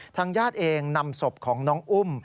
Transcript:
ทางญาติเองนำศพของน้องอุ้ม